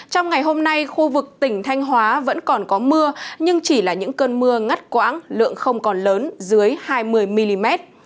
trong ngày hôm nay khu vực tỉnh thanh hóa vẫn còn có mưa nhưng chỉ là những cơn mưa ngắt quãng lượng không còn lớn dưới hai mươi mm